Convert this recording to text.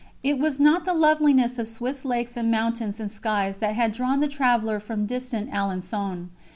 It was not the loveliness of Swiss lakes and mountains and skies that had drawn the traveller from distant Alençon.